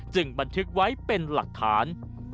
บันทึกไว้เป็นหลักฐาน